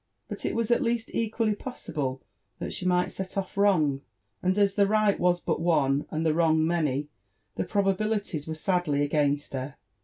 But it was at least equally possible that she might set off* wrong ; and as the right was but one, and the wrong many, the probabilities were sadly against her.